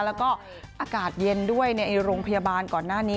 แล้วก็อากาศเย็นด้วยในโรงพยาบาลก่อนหน้านี้